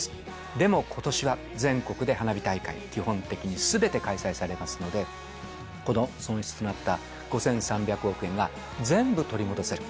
でもことしは全国で花火大会、基本的にすべて開催されますので、この損失となった５３００億円が、全部取り戻せる。